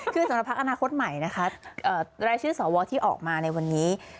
คือสำหรับพักอนาคตใหม่นะคะรายชื่อสวที่ออกมาในวันนี้